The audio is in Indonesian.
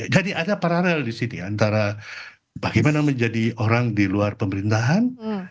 ada paralel di sini antara bagaimana menjadi orang di luar pemerintahan